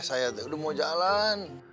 saya udah mau jalan